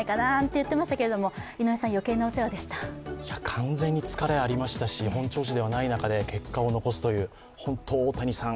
完全に疲れありましたし本調子ではない中で、結果を残すという、本当に大谷さん